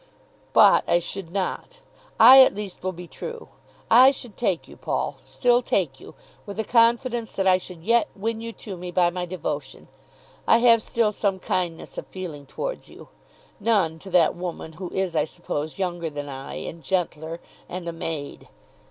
"But I should not. I at least will be true. I should take you, Paul, still take you; with a confidence that I should yet win you to me by my devotion. I have still some kindness of feeling towards you, none to that woman who is I suppose younger than I, and gentler, and a maid."